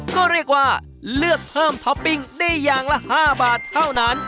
ก็เรียกว่าเลือกเพิ่มท็อปปิ้งได้อย่างละ๕บาทเท่านั้น